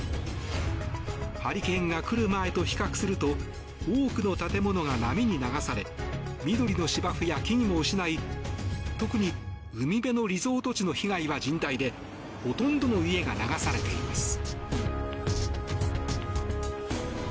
ハリケーンが来る前と比較すると多くの建物が波に流され緑の芝生や木々も失い、特に海辺のリゾート地の被害は甚大でほとんどの家が流されています。